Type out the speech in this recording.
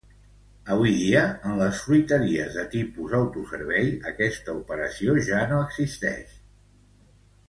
Avui dia en les fruiteries de tipus autoservei aquesta operació ja no existeix.